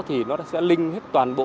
thì nó sẽ linh hết toàn bộ